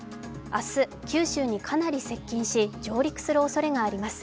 明日、九州にかなり接近し、上陸するおそれがあります。